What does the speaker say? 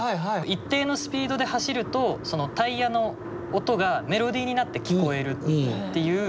一定のスピードで走るとタイヤの音がメロディーになって聞こえるっていう。